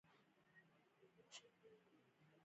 د تخه د درد لپاره د انګور اوبه وڅښئ